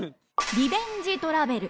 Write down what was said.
リベンジトラベル。